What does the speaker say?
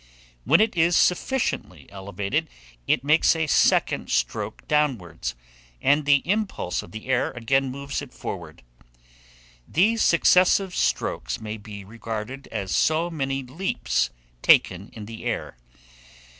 When it is sufficiently elevated, it makes a second stroke downwards, and the impulse of the air again moves it forward. These successive strokes may be regarded as so many leaps taken in the air.